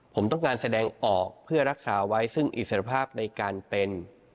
ผมต้องการแสดงออกเพื่อรักษาไว้ซึ่งอิสรภาพในการเป็น